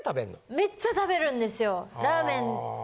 めっちゃ食べるんですよ。